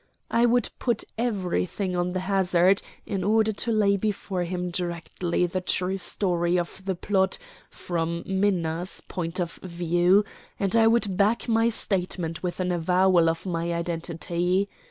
I would put everything to the hazard in order to lay before him directly the true story of the plot from Minna's point of view, and I would back my statement with an avowal of my identity.